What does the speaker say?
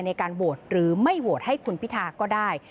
ในการโหวตหรือไม่โหวตให้คุณพิทาก็ได้